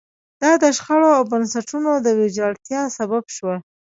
دا د شخړو او بنسټونو د ویجاړتیا سبب شوه.